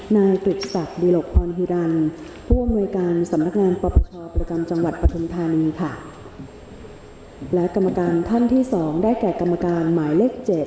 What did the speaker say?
นายกฤตศักดิบิโหลฟพรฮีดัล